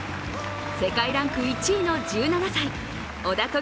世界ランク１位の１７歳小田凱